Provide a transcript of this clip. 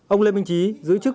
ông lê minh trí giữ chức